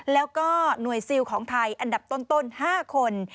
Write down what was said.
แล้วก็หน่วยซิลของไทยอันดับต้น๕คน